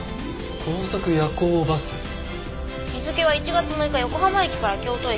「高速夜行バス」日付は１月６日横浜駅から京都駅。